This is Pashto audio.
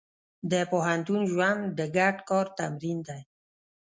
د پوهنتون ژوند د ګډ کار تمرین دی.